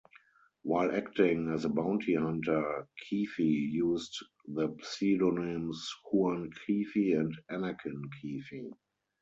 While acting as a bounty hunter, Keefe used the pseudonyms Juan Keefe and Anakin Keefe.